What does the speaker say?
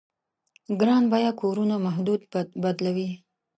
ګران بيه کورونو محدوده بدلوي.